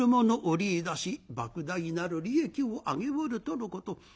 織りいだしばく大なる利益を上げおるとのこと。